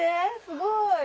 すごい！